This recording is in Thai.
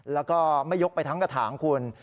แล้วก็ไม่ยกไปทั้งกระถางคุณ